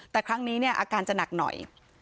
แต่ครั้งนี้เนี่ยอาการจะหนักหน่อย